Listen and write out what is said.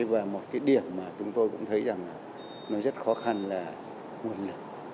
và một cái điểm mà chúng tôi cũng thấy rằng là nó rất khó khăn là nguồn lực